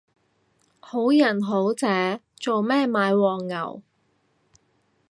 好人好姐做咩買黃牛